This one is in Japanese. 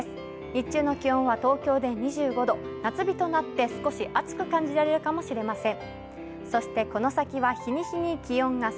日中の気温は東京で２５度、夏日となって少し暑く感じられるかもしれません。